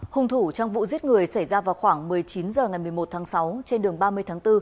hùng thủ trong vụ giết người xảy ra vào khoảng một mươi chín h ngày một mươi một tháng sáu trên đường ba mươi tháng bốn